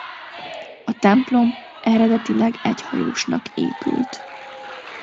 A templom eredetileg egyhajósnak épült.